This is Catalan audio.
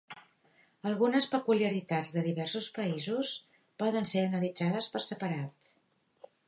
Algunes peculiaritats de diversos països poden ser analitzades per separat.